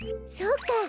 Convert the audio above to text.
そうか。